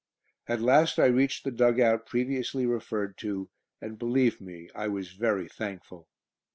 At last I reached the dug out previously referred to, and believe me, I was very thankful.